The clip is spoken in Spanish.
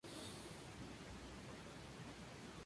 Ambos cañones tienen el ánima cromada para extender su vida útil.